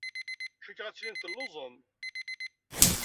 Cikkeɣ ad tilim telluẓem.